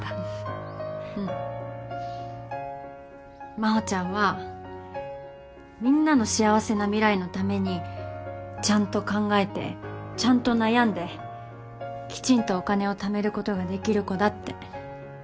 真帆ちゃんはみんなの幸せな未来のためにちゃんと考えてちゃんと悩んできちんとお金をためることができる子だって。